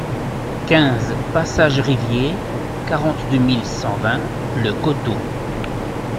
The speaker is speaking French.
quinze passage Rivier, quarante-deux mille cent vingt Le Coteau